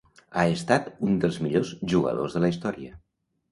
Ha estat un dels millors jugadors de la història.